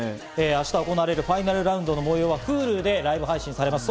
明日行われるファイナルラウンドの模様はＨｕｌｕでライブ配信されます。